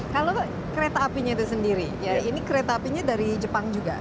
kalau kereta apinya itu sendiri ini kereta apinya dari jepang juga